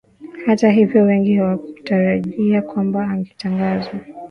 Hata hivyo wengi hawakutarajia kwamba angetangazwa